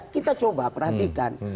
kita coba perhatikan